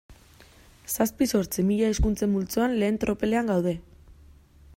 Zazpi-zortzi mila hizkuntzen multzoan lehen tropelean gaude.